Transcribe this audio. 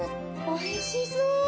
おいしそう！